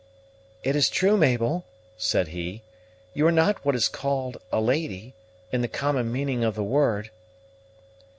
"It is true Mabel," said he, "you are not what is called a lady, in the common meaning of the word."